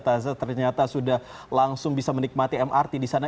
tazah ternyata sudah langsung bisa menikmati mrt di sana